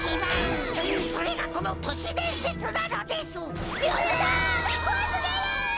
こわすぎる！